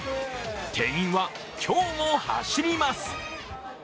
店員は今日も走ります。